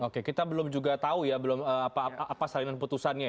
oke kita belum juga tahu ya apa salinan putusannya